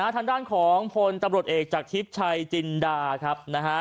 ทางด้านของพลตำรวจเอกจากทิพย์ชัยจินดาครับนะฮะ